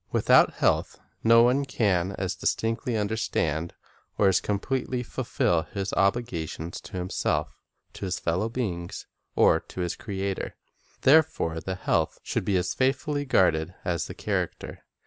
Without health, no one can as distinctly understand or as completely fulfil his obligations to himself, to his fellow beings, or to his Creator. There fore the health should be as faithfully guarded as the character.